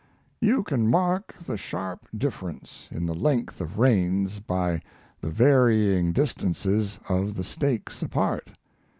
You can mark the sharp difference in the length of reigns by the varying distances of the stakes apart.